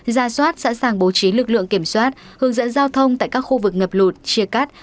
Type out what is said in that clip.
ra soát sẵn sàng bố trí lực lượng kiểm soát hướng dẫn giao thông tại các khu vực ngập lụt chia cắt